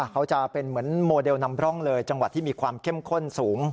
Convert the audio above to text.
เขาจะเป็นเหมือนโมเดลนำร่องเลยจังหวัดที่มีความเข้มข้นสูง